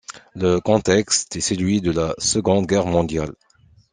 Le contexte est celui de la Seconde Guerre mondiale.